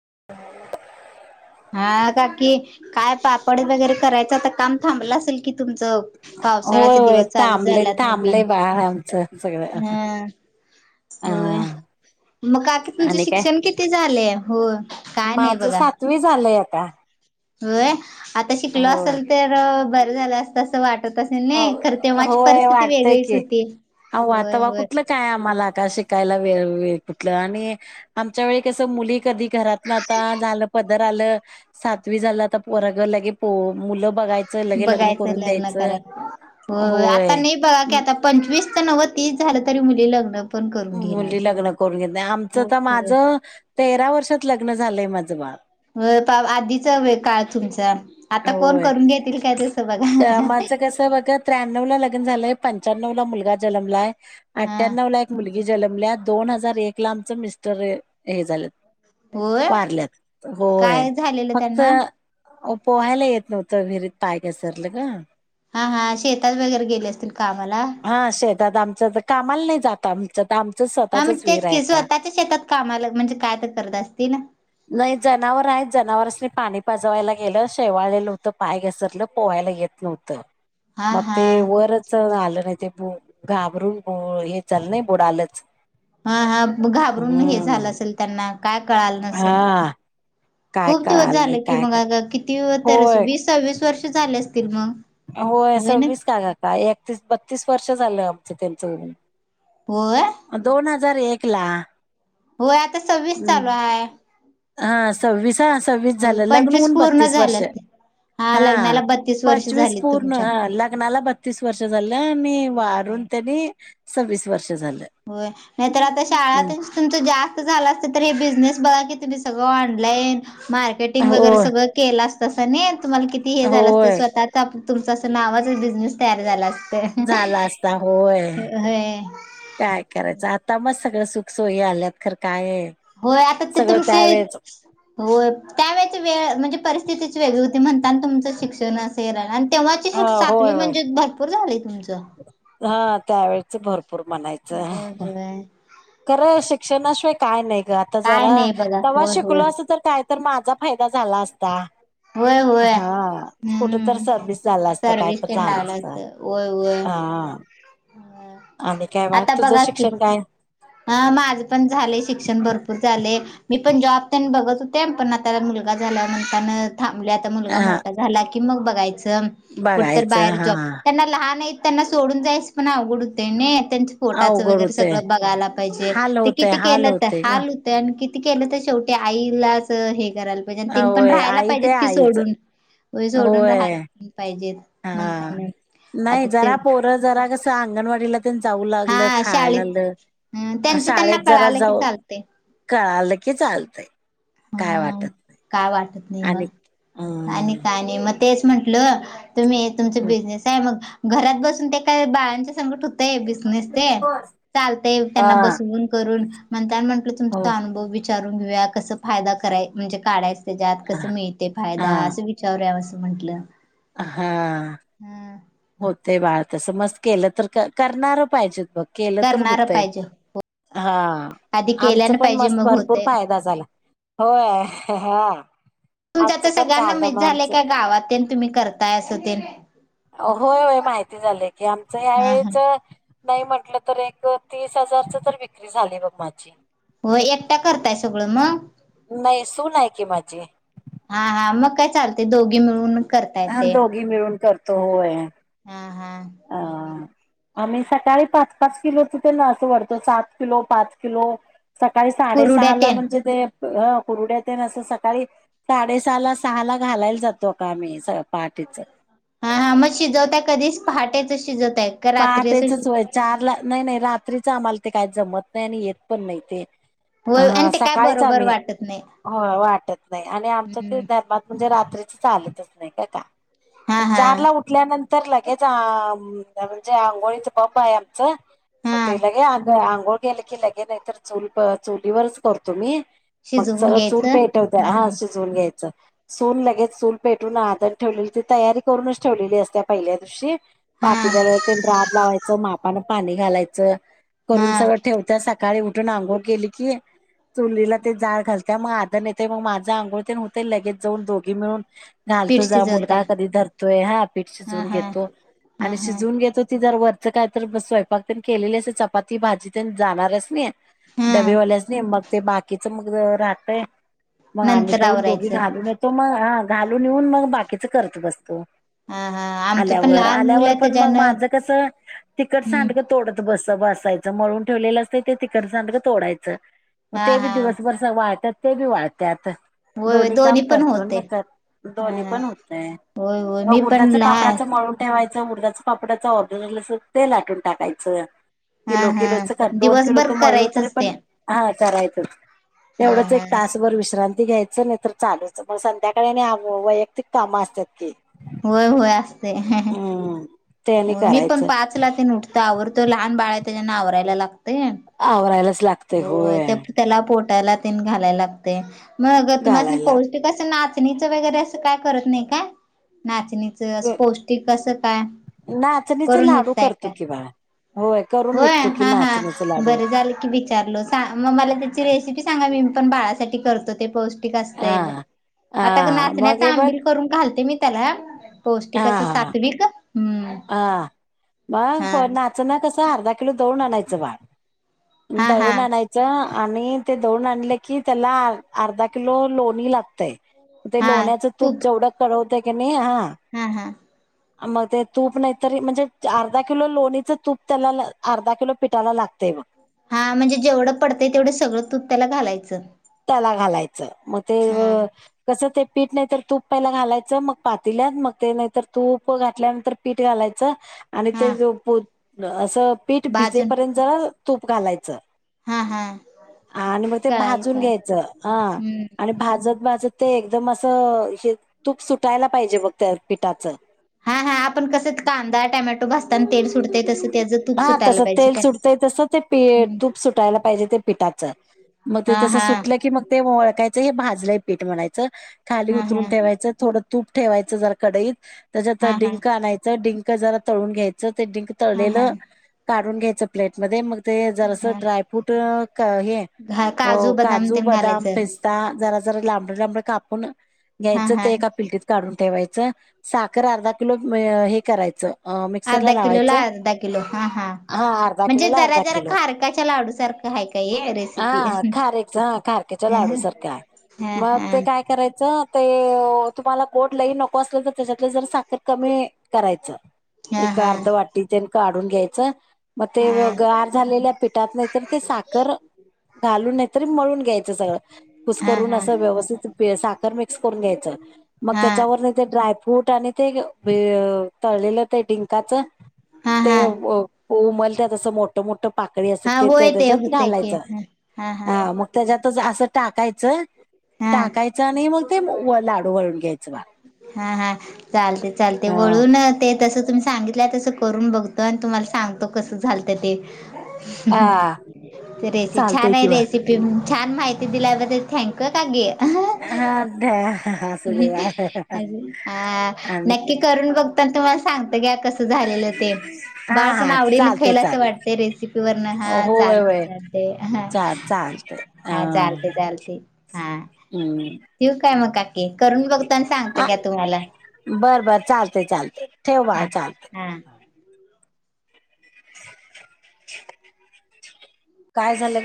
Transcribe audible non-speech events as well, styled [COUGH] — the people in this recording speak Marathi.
[INAUDIBLE] हा काकी काय पापड वगैरे करायचं तर काम थांबलं असेल कि तुमचं होय पावसाळ्याचे होय दिवस चालू थांबलंय झालेत थांबलंय बाळ आमचं सगळं म्हणताना हम होय हा मग काकी तुमचं आणि काय? शिक्षण किती झालया? माझं सातवी झालंय आता होय आता शिकलो होय. असेल तर बरं झालं असत अस वाट वाटत असेल नाय तर तेव्हाची होय परिस्थिती वाटतय वेगळीच की होती. अव्वा होय तवा होय कुठलं काय आम्हाला का शिकायला वेेळ कुठलं आणि आमच्या वेळी कस मुली कधी घरात ना आता झालं पदर आलं सातवी झाला आता पोराग लगे मुलं बघायचं लगे लग्न करून द्यायचं. हो आता होय नाही बघा की आता पंचवीस तर नव तीस झालं तरी मुली लग्न पण करून घेणार मुली लग्न करून घेत नाही आमचं होय तर होय माझं तेरा वर्षात लग्न झालं माझं बाळ हो पाप आधीच व काळ तुमचा आता कोण होय. करून घेतील काय तस माझं कस बघ त्र्याण्णव ला लगन झालंय पंच्याण्णव ला मुलगा जन्मलाय हा आठ्ठाणवं ला एक मुलगी जन्मल्या दोन हजार एक ला आमचं मिस्टर हे झाल्यात होय वारल्यात होय काय झालेलं फक्त त्यांना? पोहायला येत नव्हतं विहिरीत पाय घसरलं गं हा हा शेतात वगैरे गेले असतील कामाला. हा शेतात आमच तर कामाला नाहीत. जात आमच्या हा म्हणज तेच की स्वतःच्या शेतात कामाला म्हणजे काय तर करत असतील नाही जनावर आहेत जनावरास्नी पाणी बजवायला गेलं शेवाळलेलं होतं पाय घसरलं पोहायला येत नव्हतं. हा म हा ते वरच आलं नाही ते ब घाबरून हे झालं नाही बुडालच हा हा घाबरून हे झालं असेल त्यांना काय कळाल नसेल. हा काय खूप दिवस कळाल नाही झाले की काय मग, कर अ किती तर विसाव्या च वर्ष झाले असतील मग. हो होय ना सवीस का ग, अक्का एकतीस- बत्तीस वर्ष झालं. त्यांच होय दोन हजार एक ला होय आता सव्वीस चालू आहे. हा सव्वीस ह सव्वीस हो झालं, लग्न पंचवीस होऊन पूर्ण बत्तीस झालं वर्ष. असतील. हा. लग्नाला बत्तीस वर्ष पंचवीस झाली पूर्ण तुमच्या. लग्नाला बत्तीस वर्ष झालं आणि होय वारून त्यांनी सव्वीस वर्ष. झालं होय नाही तरर आता शाळातच तुमच जास्त झाला कुठलातरी बिझनेस बघा की तुम्ही सगळं ऑनलाईन मार्केटिंग हो वगैरे सगळं केलं असत. तसं नाही तुम्हाला किती हे झालं असतं होय स्वतःच आप तुमचं असं नावाच बिझनेस तयार झाला अस झाला असता होय. होय काय? करायचं, आता मग सगळं सुख सोयी आल्यात खर काय. होय आता ते सगळं तुमची त्यावेळेच हो त्यावेळेची वेळ म्हणजे परिस्थिती वेगळी होती म्हणता तुमचं शिक्षण अस रा आणि तेव्हाची ह श् सातवी होय होय म्हणजे भरपूर झाली तुम हा त्यावेेळेच भरपूर म्हणायचं. होय होय. खरं शिक्षणाशिवाय काय नाही ग, आता काय जरा नाही बघा तवा होय होय शिकलो असतो तर काय तर माझा फायदा झाला असता. होय. होय हा कुठ तर हम्म सर्विस झालं असत काय सर्विस तर तेन झालं असत. लागलं होय होय हा. आणि काय बाळ आता तुझं बघा की शिक्षण काय. हा माझ पण झाले शिक्षण भरपूर झाले. मी पण जॉब तेल बघत होते पण, आता मुलगा झाला म्हणताना थांबले आता मुलगा हा मोठा झाला की क मग बघायच कुठ तर बघायचं बाहेर जॉब हा त्यांना लहान त्यांना सोडून जायचं पण, अवघड होते न त्यांच्या फोटाचं अवघड वगैरे होतय सगळं बघायला पाहिजे हाल होतय किती के हाल होतय ग हालत किती, केलं तर शेवटी आईलाच हेग करायला पाहिजे आणि ति नी पण होय राहायला आई ते पाहिजेत की, आईच सोडून होय सोडून राहायला पण पाहिजेत. हा म्हणताना नाही आता ते जरा, पोरं जरा कसं अंगणवाडीला तेन जाऊ हा लागलं खाया शाळेत लागलं अ अं त्यांचं त्यांना शाळेत जरा कळालं की जाऊ चालतय कळालं की चालतंय. काय हम्म. वाटत काय वाटत नाही आणि मग, आणि हम्म काय नाही म तेच म्हंटलं तुम्ही तुमच बिझनेस हाय मग घरात बसून ते काय बाळांच संगट होतय बिझनेस ते चालतय त्यांना हा बसवून करून [UNINTELLIGIBLE] म्हटलं हो तुमचा अनुभव विचारून घिऊया कसं फायदा कराय म्हणजे काढाय तेच्यात, हा कसं मिळतय फायदा असं विचारू या असं म्हंटलं. हा. ह ते बाळ तस मस्त केलं तर करणार पाहिजेत बघ, केलं तर करणार हुतय. पाहिजे हा, आधी आमच केल्यान पण पाहिजे मस्त मग भरपूर होते फायदा झाला. होय! [UNINTELLIGIBLE] तुमच्या इत आमचं पण सगळ्यांना झालं माहीत मग झालंय आमचं काय गावात तेन तुम्ही करताय अस तेन? होय होय माहिती झालंय की, आमचं हा हा ह्यावेेळेचं नाही, म्हटलं तर अं एक तीस हजारचं तर विक्री झाली बघ माझी. होय एकट्या करताय सगळं मंग,? नाही, सूून आहे की माझी. हा हा मग काय चालतय दोघी मिळून. करता हा येते दोघी मिळून करतो होय. हा हा. अ आम्ही सकाळी पाच पाच किलोचं ते [UNINTELLIGIBLE] वरतो सात किलो पाच किलो. सकाळी साडे कुरुड्या सहा ला तेन म्हणजे ते ह कुरुड्या तेन आसं सकाळी साडेसहा ला सहा ला घालायला जातो का आम्ही पाट तेच हाय. हा हा मग शिजवताय कधीच पहाटेच शिज. पहाटेचचं व्हय चारला नाही नाही रात्री च आम्हाला ते काय जमत नाही आणि येत पण नाही ते होय आणि ते काय सकाळीच बरोबर आम्ही वाटत नाही होय वाटत नाही आणि आमच्यात ते हम्म धर्मात म्हणजे रात्री चालतच नाही का का हा हा चार ला उठल्यानंतर लगेच आ म. म्हणजे आंघोळीच बंब हाय आमचं हा ते लगे आंग आंघोळ. केलं की लगे नाही तर चूल प चुलीवरच करतो मी मग शिजवून सगळं चूल घ्यायचं पेटवत्या हा हम्म शिजवून घ्याय. च सून लगेच चुल पेटून आदन ठेवलेली ती तयारी करूनच ठेवलेली असत्या पहिल्या दिवशी हा तिला [UNINTELLIGIBLE] लावायचं मापन पाणी घालायचं हा करून सगळं ठेवतासा. सकाळी उठून आंघोळ केली की, चुलीला ते जाळ घालत्या म आदन येतंय माज आंघोळ तेन हुतय लगेच जाऊन दोघी मिळू. पीठ घालतो जाळ शिजवताय मुलगा कधी धरतोय हा पीठ हा शिजवून हा घेतो हा आणि हा शिजवुन घेतो तिथ तर वरचं काय तर स्वयंपाक तेन केलेली अस चपाती भाजी तेन जाणाऱ्यास्नी हा डबेवाल्यास्नी मग ते बाकीच मग राहतय. मग आम्ही नंतर जाऊन दोघी आवरायचं घालून येतो मग ह घालून युण मग बाकीच करत बसतो. हा हा आमचं पण आल्यावर लहान मुलं आल्यावर आहे पण मग त्याच्यानं माझ कसं तिकट हम्म सांडंग तोडत. बस बसायचं मळून ठेवलेलं असतय ते तिकट सांडग तोडायचं. म हा ते बी हा दिवसभर स वाळत्यात ते बी वाळत्यात. होय दोन्ही काम पण करतो होते म त्यात हा दोन्ही हा पण हुतय. होय होय मी मग पण उडदाचं पापडाचं लहान मळून ठेवायचं उडदा पापडाच ऑर्डर आल असल ते लाटून टाकायचं. हा किलो हा किलो च कर दोन किलो दिवसभर च मळलो तरी करायचंच ते पण हा. करायच हा तेवढंच हा एक तासभर विश्रांती घ्याय. हिच नाही तर चालूच मग संध्याकाळी वैयक्तिक कामं असतात की होय होय हो अस. हम्म ते आणि मी पण करायचं. पाच ला ते उठतो आवरडतो लहान बाळा. त्यानां आवरायला वयला लागते आवरायलाच लागतय होय तप त्याला पोट घ लाग त घालायला [UNINTELLIGIBLE] नाचणीच वगैरे असं काय करत नाही का नाचणी. अस पौष्टिक असं काय नाचणीच करून लाडू विकतय करतो काय? की बाळा होय करून होय विकतो की हा हा नाचण्याच लाडू बरं झालं की विचारलो स मग मला त्याची रेसिपी सांगा मी पण बाळासाठी करतो ते पौष्टिक असत हा आता हा मग हे नाचण्याचा बघ आंबल करून घालते मी त्याला हा पौष्टिकचं हा सात्विक हम्म. हा मग हा प नाच ना कसं अर्धा किलो दवन आणायचं बाळ. हा हा दळून आणायचं आ आणि ते दौून आणले की त्याला अर्धा किलो लोणी लागतय. ते लोण्याचं तूप जेवढं कवतय की नाही हा. मग ते तूप नाही तरी म्हणजे अर्धा किलो लोणीचं तूप त्याला अर्धा किलो पिठाला लागतय बग. हा म्हणजे जेवढं पडतय तेवढं सगळं तूप त्याला घालायचं. त्याला घालायचं मग ते हा कसं ते पीठ नाही तर तूप पहिला घालायचं मग पातील्यात मग ते नाहीतर तूप घातल्यानंतर पीठ घालायचं. आणि ते हा असं पीठ भाजून भिजेपर्यंत जरा तूप घालायचं. हा हा आणि मग ते कळाल भाजून कळाल घ्यायचं ह हम्म आणि भाजत. माझं ते एकदम असं हे तूप सुटायला पाहिजे बघ त्या पिठाचं. हा हा. आपण कस कांदा टमॅटो भासताना तेल सुटतय तसं त्याच तूप हा सुटायला तसं पाहिजे तेल काय? सुटतंय तसं ते तूप सुटायला पाहिजे ते पिठाचं. मग ते हा तस हा सुटलं की मग ते वळकायचं हे भाजलं पीठ म्हणायचं खाली हा हा उतरून ठेवायचं थोडं. तूप ठेवायचं जरा कडईत त्याच्यात हा हा डिंक आणायचं डिंक जरा तळून घ्यायचं. डिंक हा हा तळलं काढून घ्यायचं प्लेटमध्ये मग. ते जरास ड्रायफ्रूट हे. हा हो बदाम काजू तेन बदाम घालायचं पिस्ता जरा जरा लांबड लांबडे कापून. हा घ्यायचं ते हा एका पिलटीत काढून ठेवायचं साखर अर्धा किलो हे करायचं. मिक्सरला अर्धा किलो ला लावायचं अर्धा किलो हा हा. अर्धा म्हणजे किलोला जरा अर्धा जरा किलो खारकाच्या लाडूसारखा आहे काय रेसिपी. खारेकच हा खारखेच्या ह लाडू सारखं आहे हा मग ते हा काय करायचं. ते तुम्हाला गोड लई नको असलं तर त्याच्यातलं जर साखर कमी करायचं. हा एक अर्ध वाटी ते काढून घ्यायचं. मग ते हा गार झालेल्या पिठात नाहीतर ते साखर घालून नाहीतरी मळून घ्यायच. घ्यायचं हा कुस्करून हा हा अस व्यवस्थित साखर मिक्स करून घ्यायच मग हा त्याच्यावर ड्रायफ्रूट ने ते तळलेलं ते डिंकाच हा ते. हा उमलत्यात असं मोठ मोठ पाकळी असं हा ते होय त्याच्यात होतय की घालायचं. हा हा हा हा मग त्याच्यातच असं टाकायचं हा टाकायचं आणि मग ते लाडू वळून घ्यायचं. बा हा हा चालते चालते ह वळून ते तस. तुम्ही सांगितलंय तसं करून बघतो आणि तुम्हाला सांगतो कसं झालत ते. आ रेस चालतंय छानान आहे किंवा रेसिपी रेसिपी छान माहिती दिल्याबद्दल थँक्यू काकी. हा अ. आ आणि नक्की करून बघता तुम्हाला सांगत कस झाल. झालेलं ते. हा बाळ पण हा आवडील चालते खायला असं चालत वाटते रेसिपी वरन हा होय चालते होय चालते ह. चाल चालत अ हा चालते चालते हा हम्म ठेवू काय मग काकी करून बघ. सांगत तुम्हाला बर बर चालते चालते ठेव बाळ चालते हा. काय झालं?